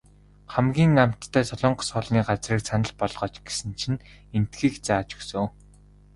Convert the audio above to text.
Хамгийн амттай солонгос хоолны газрыг санал болгооч гэсэн чинь эндхийг зааж өгсөн.